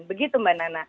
begitu mbak nana